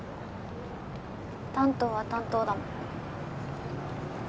担当は担当だもん。